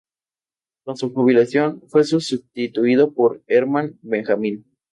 Con su jubilación, fue sustituido por Herman Benjamin.